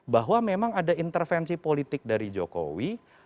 bahwa memang ada intervensi politik dari jokowi